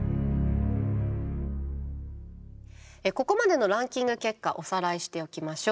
ここまでのランキング結果おさらいしておきましょう。